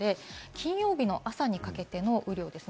金曜日の朝にかけての雨量です。